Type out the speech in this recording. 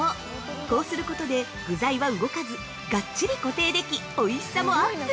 こうすることで具材は動かず、ガッチリ固定でき、おいしさもアップ！